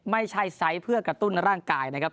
ไม่ใช่ไซส์เพื่อกระตุ้นร่างกายนะครับ